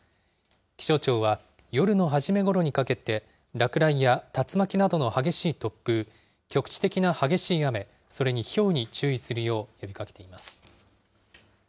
気象庁は、夜の初めごろにかけて、落雷や竜巻などの激しい突風、局地的な激しい雨、それにひょうに注意するよう呼びかけています。